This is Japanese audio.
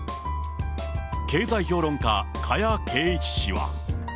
経済評論家、加谷珪一氏は。